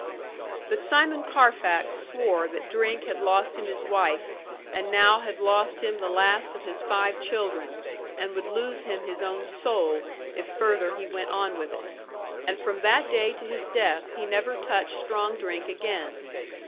But Simon Carfax swore that drink had lost him his wife, and now had lost him the last of his five children, and would lose him his own soul, if further he went on with it; and from that day to his death he never touched strong drink again.